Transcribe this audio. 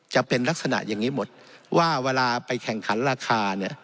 จะเป็นลักษณะอย่างนี้หมดว่าเวลาไปแข่งขันราคาเนี่ย